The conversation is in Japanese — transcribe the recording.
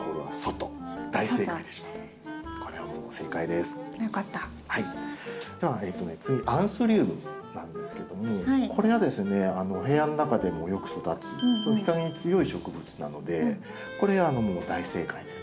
では次アンスリウムなんですけどもこれはですねお部屋の中でもよく育つ日陰に強い植物なのでこれ大正解です。